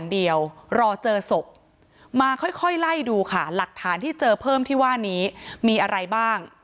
ค่อยไล่ดูค่ะหลักฐานที่เจอเพิ่มที่ว่านี้มีอะไรบ้าง